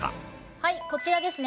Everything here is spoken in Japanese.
はいこちらですね